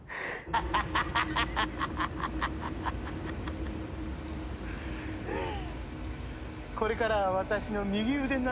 ハハハハハハッ！